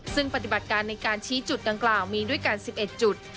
ซึ่งปฏิบัติการในการชี้จุดดังกล่าวมีด้วยกัน๑๑จุด